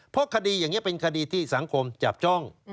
เพราะคดีอย่างนี้เป็นคดีที่สังคมจับจ้อง